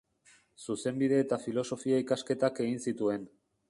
Zuzenbide- eta Filosofia-ikasketak egin zituen.